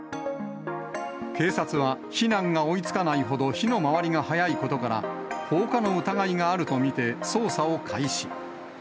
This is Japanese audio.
警察は、避難が追いつかないほど火の回りが早いことから、放火の疑いがあると見て捜査を開始。